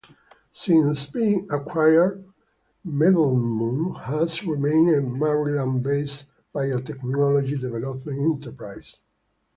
Since being acquired, MedImmune has remained a Maryland-based biotechnology development enterprise.